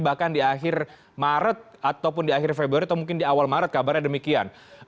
bahkan di akhir maret ataupun di akhir februari atau mungkin di awal maret kabarnya demikian